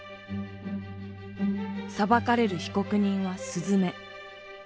裁かれる被告人はすずめ。